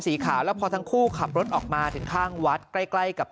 ขาวแล้วพอทั้งคู่ขับรถออกมาถึงข้างวัดใกล้ใกล้กับ